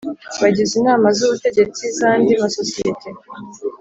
bagize Inama z Ubutegetsi z andi masosiyete